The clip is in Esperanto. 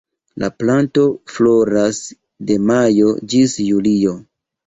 La planto floras de majo ĝis julio.